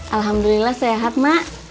alhamdulillah sehat mak